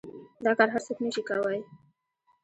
دا کار هر سوک نشي کواى.